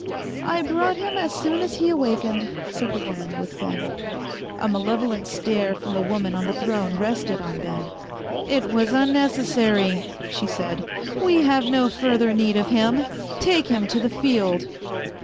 "I brought him as soon as he awakened," said the woman with Ben. A malevolent stare from the woman on the throne rested on Ben. "It was unnecessary," she said. "We have no further need of him. Take him to the field."